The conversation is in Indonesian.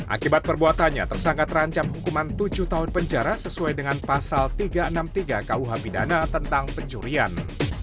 akibat perbuatannya tersangka terancam hukuman tujuh tahun penjara sesuai dengan pasal tiga ratus enam puluh tiga kuh bidana tentang pencurian